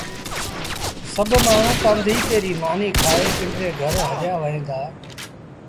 سڀ مآڻهوٚٚݩ ڪآݩڌيپي ريٚ مآݩيٚ کآئي پنڊري گھر هليآ وهيݩ دآ